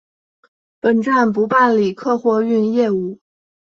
本站不办理客货运业务。